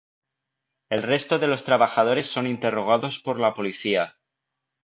El resto de los trabajadores son interrogados por la policía.